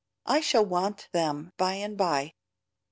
I shall want them by and by."